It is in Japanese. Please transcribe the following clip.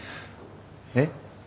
えっ？